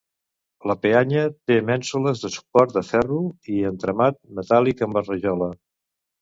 La peanya té mènsules de suport de ferro i entramat metàl·lic amb rajola.